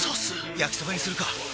焼きそばにするか！